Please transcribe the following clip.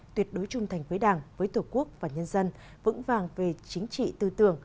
tuyệt đối trung thành với đảng với tổ quốc và nhân dân vững vàng về chính trị tư tưởng